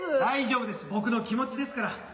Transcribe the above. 大丈夫です僕の気持ちですから。